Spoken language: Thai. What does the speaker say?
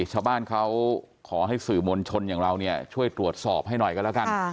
ชาวบ้านเขาขอให้สื่อมวลชนอย่างเราเนี่ยช่วยตรวจสอบให้หน่อยกันแล้วกัน